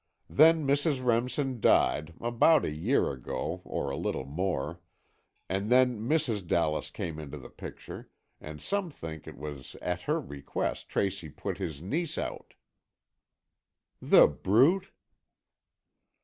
Then Mrs. Remsen died, about a year ago, or a little more, and then Mrs. Dallas came into the picture, and some think it was at her request Tracy put his niece out——" "The brute!"